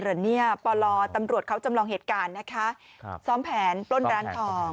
หรือเนี่ยปลตำรวจเขาจำลองเหตุการณ์นะคะครับซ้อมแผนปล้นร้านทอง